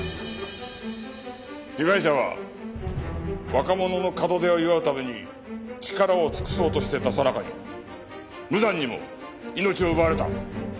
被害者は若者の門出を祝うために力を尽くそうとしていたさなかに無残にも命を奪われた。